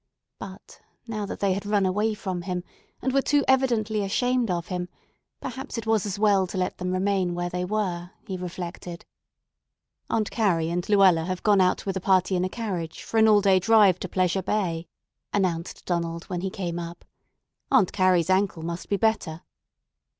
But now that they had run away from him, and were too evidently ashamed of him, perhaps it was as well to let them remain where they were, he reflected. "Aunt Carrie and Luella have gone out with a party in a carriage for an all day drive to Pleasure Bay," announced Donald when he came up. "Aunt Carrie's ankle must be better."